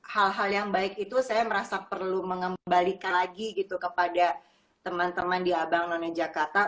hal hal yang baik itu saya merasa perlu mengembalikan lagi gitu kepada teman teman di abang none jakarta